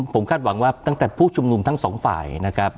ผมคาดหวังว่าตั้งแต่ผู้ชุมนุมทั้งสองฝ่ายนะครับ